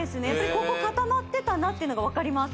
ここ固まってたなっていうのが分かります